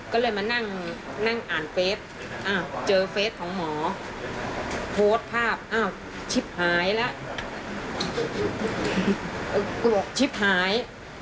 ก็เลยมานั่งอ่านเฟสเจอเฟสของหมอโพสต์ภาพอ้าวชิปหายแล้วกลัวชิปหาย